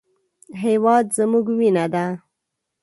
هېواد زموږ وینه ده